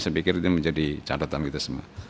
saya pikir ini menjadi catatan kita semua